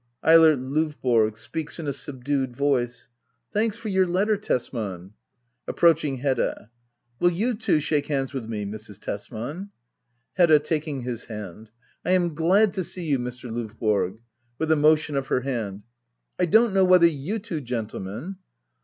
Eilert LOyboro. [Speaks in a subdued voice,] Thanks for your letter, Tesman. [Approaching Hedda.] Will you too shake hands witn me, Mrs. Tesman ? Hedda. [Taking his hand,] 1 am fflad to see you, Mr. Lovborg. [With a motion of her hand,] 1 don't know whether you two gendemen